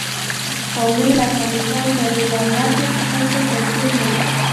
قومونه د افغانستان د ولایاتو په کچه توپیر لري.